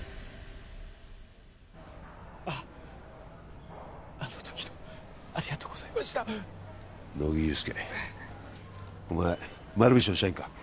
あっあの時のありがとうございました乃木憂助お前丸菱の社員か？